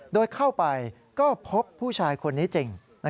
โดยเข้าไปก็พบผู้ชายคนนี้จริง